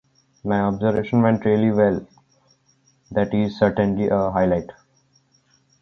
My observation went really well. That is certainly a highlight.